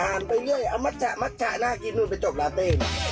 อ่านไปเรื่อยเอามัชชะน่ากินนู่นไปจบลาเต้